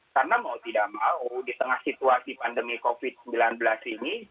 karena mau tidak mau di tengah situasi pandemi covid sembilan belas ini